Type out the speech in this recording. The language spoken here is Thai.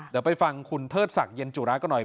เดี๋ยวไปฟังคุณเทศสักย์เย็นจุรากระหน่อย